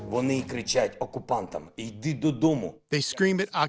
mereka menjeritkan kepada penyelamat untuk pulang ke rumah